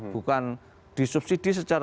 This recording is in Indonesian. bukan disubsidi secara wajar